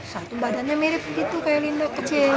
satu badannya mirip gitu kayak linda kecil